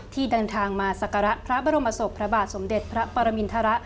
ที่เดินทางมาศักระพระบรมศพพระบาทสมเด็จพระปรมินทร